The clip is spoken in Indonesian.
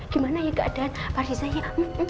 gimana ya keadaan pak riza ya